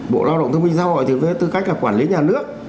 bộ lao động thương minh xã hội thì với tư cách là quản lý nhà nước